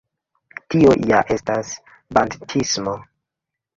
Tio ja estas banditismo!